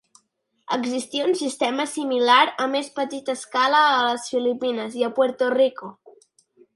Existia un sistema similar a més petita escala a les Filipines i a Puerto Rico.